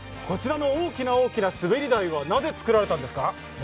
こちらの大きな大きな滑り台は、なぜ造られたんですか？